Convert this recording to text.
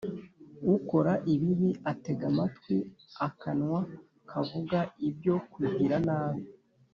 Ukora ibibi atega amatwi akanwa kavuga ibyo kugira nabi